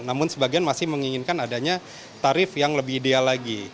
namun sebagian masih menginginkan adanya tarif yang lebih ideal lagi